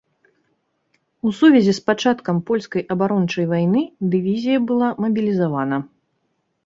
У сувязі з пачаткам польскай абарончай вайны дывізія была мабілізавана.